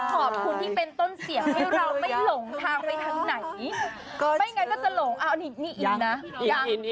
ขอบคุณที่เป็นต้นเสียงให้เราไม่หลงทางไว้ทั้งไหนไม่อย่างนั้นก็จะหลงอ้าวนี่อินนะ